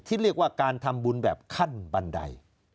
เรียกว่าการทำบุญแบบขั้นบันได